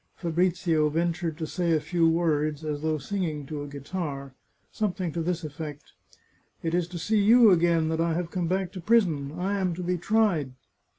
Fabrizio ventured to say a few words, as though singing to a guitar, something to this effect :" It is to see you again that I have come back to prison ; I am to be tried."